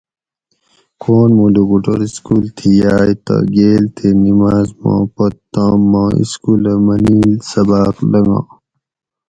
کون مُوں لوکوٹور سکول تھی یاۤئے تہ گیل تے نماز ما پت تام ما سکولہ منیل سباۤق لنگا